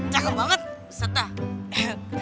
cakar banget muset dah